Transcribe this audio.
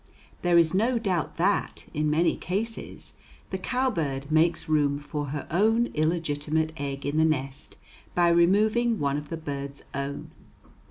There is no doubt that, in many cases, the cowbird makes room for her own illegitimate egg in the nest by removing one of the bird's own.